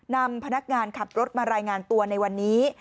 นำพนักงานขับรถมารายงานตัวในวันนี้